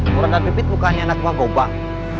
mura dan pipi bukannya anak wakobang